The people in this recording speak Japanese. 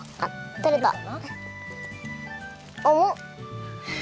とれたね。